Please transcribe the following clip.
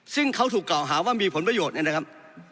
ซึ่งเขาถูกกล่าวหาว่ามีผลประโยชน์เนี่ยนะครับ